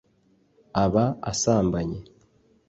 aba asambanye